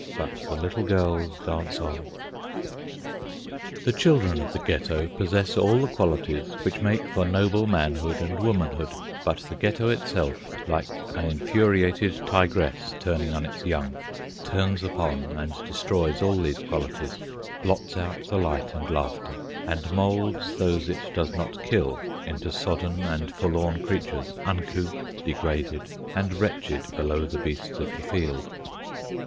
But the little girls dance on. The children of the Ghetto possess all the qualities which make for noble manhood and womanhood; but the Ghetto itself, like an infuriated tigress turning on its young, turns upon and destroys all these qualities, blots out the light and laughter, and moulds those it does not kill into sodden and forlorn creatures, uncouth, degraded, and wretched below the beasts of the field.